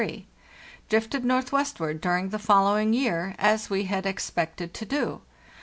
Drifted northwestward during the following year, as we had expected to do.